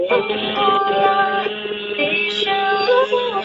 最重要的建筑是一个贵族住宅区和祭司举行丧葬活动的场所。